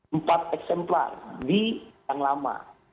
empat eksemplar di yang lama